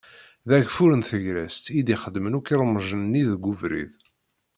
D ageffur n tegrest i d-ixedmen akk iremjen-nni deg ubrid.